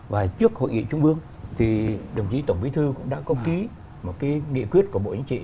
và trước hội nghị trung ương thì đồng chí tổng bí thư cũng đã có ký một cái nghị quyết của bộ chính trị